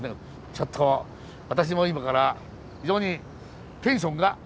ちょっと私も今から非常にテンションが上がっております。